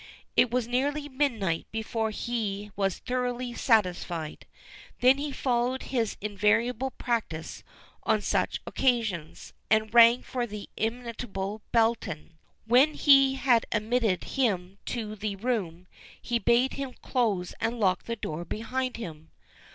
It was nearly midnight before he was thoroughly satisfied. Then he followed his invariable practice on such occasions, and rang for the inimitable Belton. When he had admitted him to the room, he bade him close and lock the door behind him.